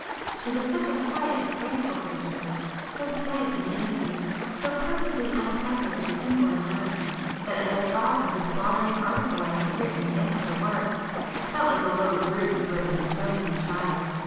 She was such a quiet graceful creature, so slight and dainty, so perfectly unaffected and simple in manner, that as I thought of the slaughtering article I had written against her work I felt like a low brute who had been stoning a child.